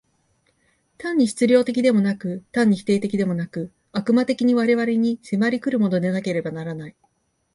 単に質料的でもなく、単に否定的でもなく、悪魔的に我々に迫り来るものでなければならない。